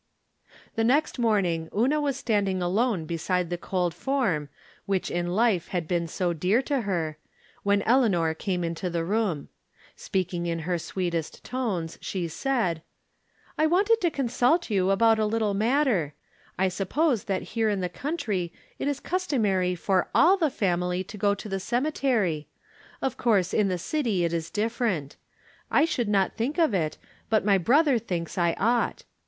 The next morning Una was standing alone be side the cold form which in life had been so dear to her, when Eleanor came into the room. Speak ing in her sweetest tones, she said :" I wanted to consult you about a little mat ter. I suppose that here in the country it is cus tomary for all the family to go to the cemetery. Of course in the city it is different. I should not think of it, but my brother thinks I ought.